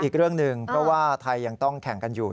อีกเรื่องหนึ่งเพราะว่าไทยยังต้องแข่งกันอยู่